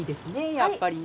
やっぱりね。